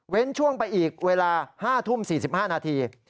ช่วงไปอีกเวลา๕ทุ่ม๔๕นาที